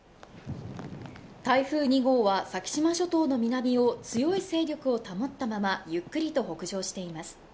台風２号は先島諸島の南を強い勢力を保ったまま、ゆっくりと北上しています。